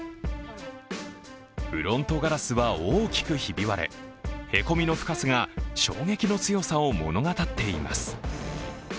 フロントガラスは大きくひび割れ、へこみの深さが衝撃の強さを物語っています。